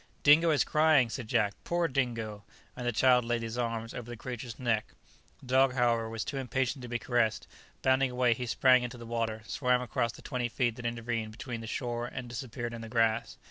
"Dingo is crying," said Jack; "poor Dingo!" and the child laid his arms over the creature's neck. The dog, however, was too impatient to be caressed; bounding away, he sprang into the water, swam across the twenty feet that intervened between the shore, and disappeared in the grass.